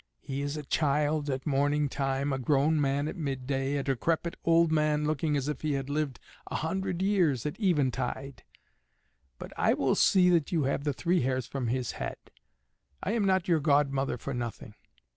He is a child at morning time, a grown man at midday, a decrepit old man, looking as if he had lived a hundred years, at eventide. But I will see that you have the three hairs from his head; I am not your godmother for nothing.